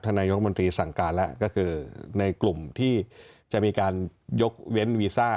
นายกมนตรีสั่งการแล้วก็คือในกลุ่มที่จะมีการยกเว้นวีซ่า